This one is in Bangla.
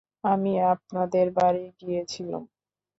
আমি আপনাদের বাড়ি গিয়েছিলুম।